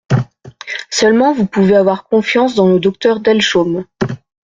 Seulement vous pouvez avoir confiance dans le docteur Delchaume.